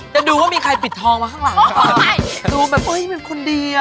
จะดูแบบโอ้ยมีคนดีอะ